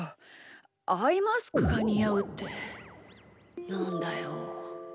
アイマスクがにあうってなんだよ。